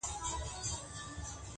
• زیړ زبېښلی هم له وهمه رېږدېدلی -